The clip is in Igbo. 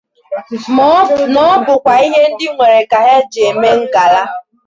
na ọ bụkwa ihe ndị nwere ka ha ji eme ngala